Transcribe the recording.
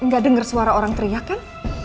gak denger suara orang teriak kan